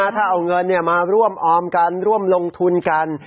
ถ้าเอาเงินมาร่วมออมกันร่วมลงทุนกัน